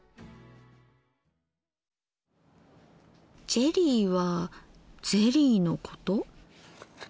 ジェリーはゼリーのこと？